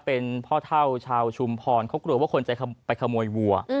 เป็นพ่อเท่าชาวชุมพรเขากลัวว่าคนจะไปขโมยวัว